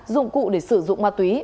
dụng cụ để sử dụng ma túy